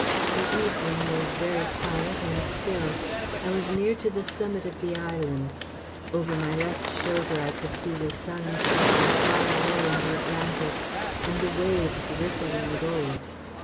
The evening was very quiet and still. I was near to the summit of the island. Over my left shoulder I could see the sun setting far away in the Atlantic, and the waves rippling gold.